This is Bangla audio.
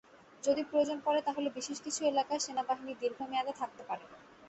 যদি প্রয়োজন পড়ে তাহলে বিশেষ কিছু এলাকায় সেনাবাহিনী দীর্ঘমেয়াদে থাকতে পারে।